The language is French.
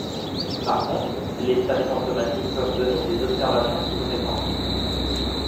Par contre, les stations automatiques peuvent donner des observations plus fréquentes.